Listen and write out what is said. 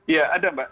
ya ada mbak